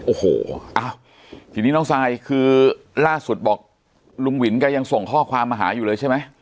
โอ้โหอ้าวทีนี้น้องซายคือล่าสุดบอกลุงวินแกยังส่งข้อความมาหาอยู่เลยใช่ไหม